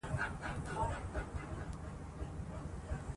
په تاریخی ګلاټا سیمه کې یې هوټل کې پاتې شو.